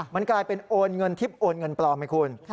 มันกลายเป็นโอนเงินทิพย์โอนเงินปลอมไหมคุณ